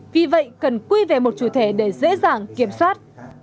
vì vậy cần quy về một chủ thể để dễ dàng kiểm soát